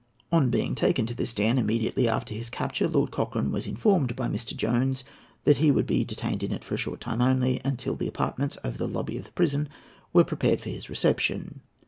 On being taken to this den immediately after his capture, Lord Cochrane was informed by Mr. Jones that he would be detained in it for a short time only, until the apartments over the lobby of the prison were prepared for his reception.